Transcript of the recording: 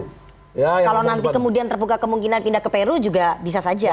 kalau nanti kemudian terbuka kemungkinan pindah ke peru juga bisa saja